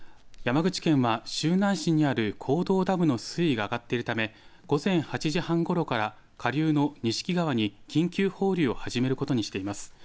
山口県は周南市にある向道ダムの水位が上がっているため午前８時半ごろから下流の錦川に緊急放流を始めることにしています。